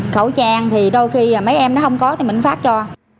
khẩu trang thì đôi khi mấy em nó không có thì mình phát cho